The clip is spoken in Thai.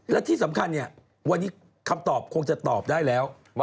และที่สำคัญเนี่ยวันนี้คำตอบคงจะตอบได้แล้ว